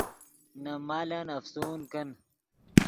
نے مالن افسون کن